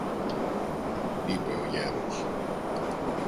είπε ο γέρος.